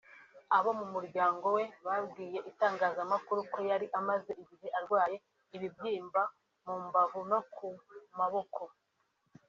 Abo mu muryango we babwiye itangazamakuru ko yari amaze igihe arwaye ibibyimba mu mbavu no kumaboko